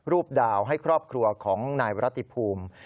ดาวให้ครอบครัวของนายวรติภูมิ